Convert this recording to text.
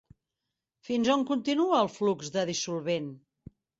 Fins on continua el flux de dissolvent?